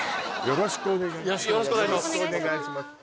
よろしくお願いします